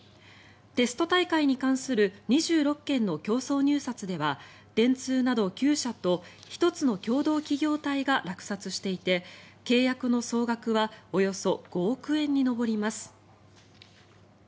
テスト大会に関する２６件の競争入札では電通など９社と１つの共同企業体が落札していて契約の総額はおよそ５億円に上ります。